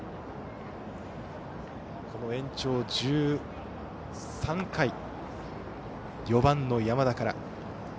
延長１３回、４番の山田から。